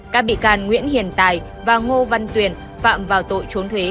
các bị can nguyễn hiền tài và ngô văn tuyển phạm vào tội trốn thuế